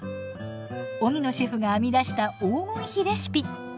荻野シェフが編み出した黄金比レシピ。